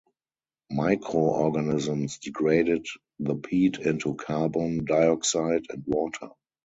Microorganisms degraded the peat into carbon dioxide and water.